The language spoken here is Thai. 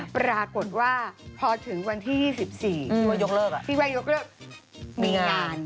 ปรากฏว่าพอถึงวันที่๒๔มีงาน